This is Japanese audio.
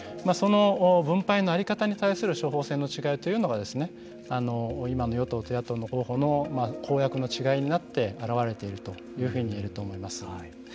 その分配の在り方に対する処方箋の違いというのが今の与党と野党の候補の公約の違いになって表れているというふうに言えると思います。